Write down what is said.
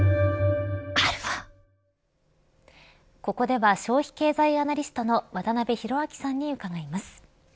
ここでは消費経済アナリストの渡辺広明さんに伺います。